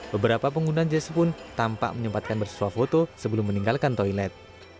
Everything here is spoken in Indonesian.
beberapa pengguna jasa pun tampak menyempatkan bersuah foto sebelum meninggalkan toilet